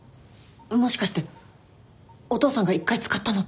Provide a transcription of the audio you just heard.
もしかしてお父さんが一回使ったのって。